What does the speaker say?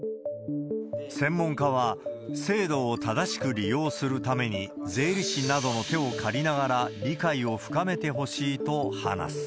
専門家は、制度を正しく利用するために、税理士などの手を借りながら理解を深めてほしいと話す。